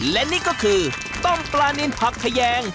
และนี่ก็คือต้มปลานินผักขยง